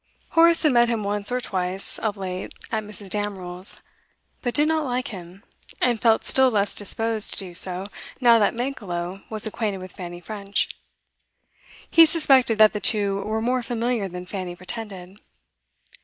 Horace had met him once or twice of late at Mrs. Damerel's, but did not like him, and felt still less disposed to do so now that Mankelow was acquainted with Fanny French. He suspected that the two were more familiar than Fanny pretended.